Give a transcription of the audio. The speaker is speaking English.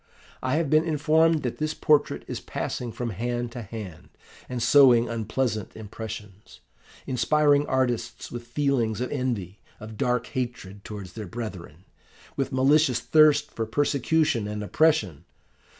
I have been informed that this portrait is passing from hand to hand, and sowing unpleasant impressions, inspiring artists with feelings of envy, of dark hatred towards their brethren, with malicious thirst for persecution and oppression.